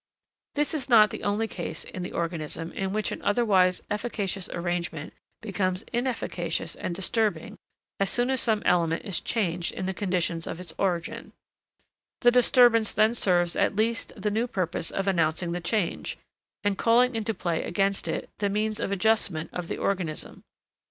This is not the only case in the organism in which an otherwise efficacious arrangement became inefficacious and disturbing as soon as some element is changed in the conditions of its origin; the disturbance then serves at least the new purpose of announcing the change, and calling into play against it the means of adjustment of the organism.